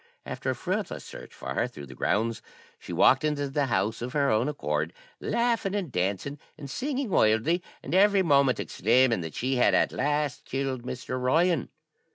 After a fruitless search for her through the grounds, she walked into the house of her own accord, laughing and dancing, and singing wildly, and every moment exclaiming that she had at last killed Mr. Ryan.